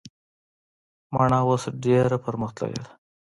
مڼه اوس ډیره پرمختللي ده